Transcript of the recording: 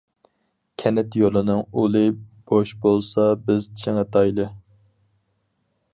كەنت يولىنىڭ ئۇلى بوش بولسا بىز چىڭىتايلى!